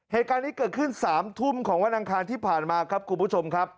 เหตุการณ์นี้เกิดขึ้น๓ทุ่มของวันอังคารที่ผ่านมาครับคุณผู้ชมครับ